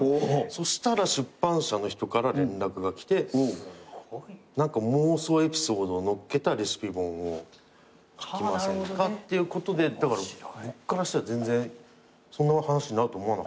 そしたら出版社の人から連絡が来て「妄想エピソードを載っけたレシピ本を書きませんか？」っていうことでだから僕からしたら全然そんな話になると思わなかったんで。